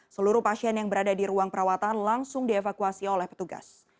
seluruh pasien yang berada di ruang perawatan langsung dievakuasi oleh petugas